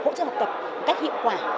hỗ trợ học tập một cách hiệu quả